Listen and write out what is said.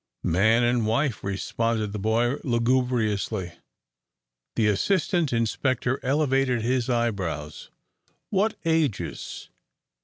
"Man and wife," responded the boy, lugubriously. The assistant inspector elevated his eyebrows. "What ages?"